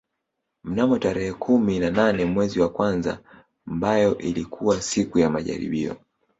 Mnamo tarehe kumi na nane mwezi wa kwanza mbayo ilikuwa siku ya majaribio